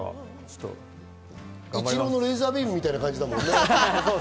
イチローのレーザービームみたいな感じだもんね。